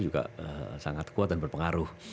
juga sangat kuat dan berpengaruh